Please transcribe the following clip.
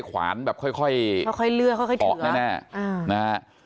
แค่ขวานแบบค่อยเขาค่อยเหลือเขาค่อยถืออ๋อแน่นะฮะ